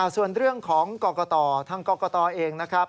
ส่วนเรื่องของกรกตทางกรกตเองนะครับ